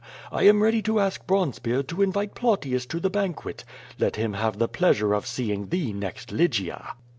I am ready to ask Bronze beard to invite Plautius to the banquet. Let him have the pleasure of seeing thee next Lygia!'